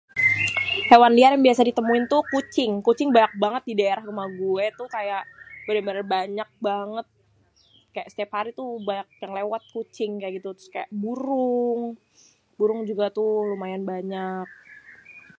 Héwan liar biasa ditemuin tuh kucing, kucing banyak bangat di daerah rumah gua tuh kaya bener-bener banyak banget kaya setiap hari tuh banyak yang léwat kucing kaya gitu, terus kaya burung, burung juga tuh lumayan banyak.